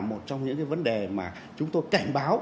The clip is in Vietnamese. một trong những cái vấn đề mà chúng tôi cảnh báo